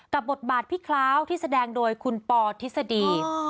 บทบาทพี่คล้าวที่แสดงโดยคุณปอทฤษฎี